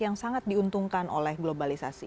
yang sangat diuntungkan oleh globalisasi